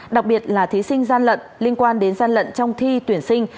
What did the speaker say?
đặc biệt là thí sinh gian lận liên quan đến gian lận trong thi tuyển sinh